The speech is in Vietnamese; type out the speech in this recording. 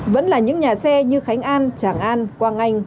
vẫn là những nhà xe như khánh an tràng an quang anh